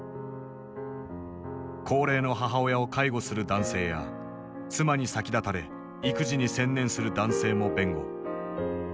高齢の母親を介護する男性や妻に先立たれ育児に専念する男性も弁護。